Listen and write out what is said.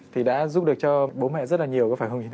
thì đã giúp được cho bố mẹ rất là nhiều